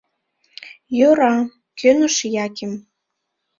— Йӧра, — кӧныш Яким.